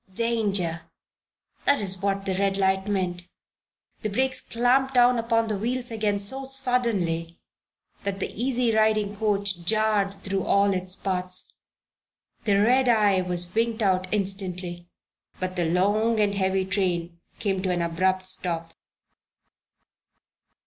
Danger! That is what that red light meant. The brakes clamped down upon the wheels again so suddenly that the easily riding coach jarred through all its parts. The red eye was winked out instantly; but the long and heavy train came to an abrupt stop.